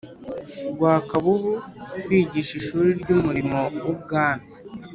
Rwakabubu kwigisha Ishuri ry Umurimo w Ubwami